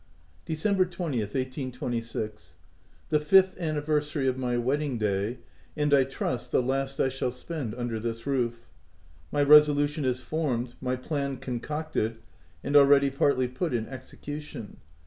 December 20th, 1826. — The fifth anniversary of my wedding day, and I trust, the last I shall spend under this roof. My resolution is formed my plan concocted, and already partly put in execution.